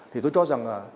thì tôi cho rằng